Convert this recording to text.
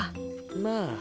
まあ。